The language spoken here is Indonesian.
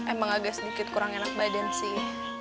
emang agak sedikit kurang enak badan sih